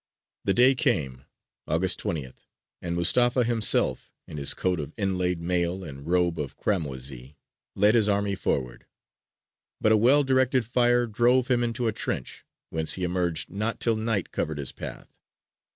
The day came, August 20th, and Mustafa himself, in his coat of inlaid mail and robe of cramoisy, led his army forward; but a well directed fire drove him into a trench, whence he emerged not till night covered his path.